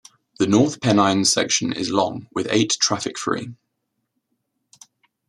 The North Pennines section is long, with eight traffic-free.